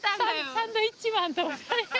サンドウィッチマンと。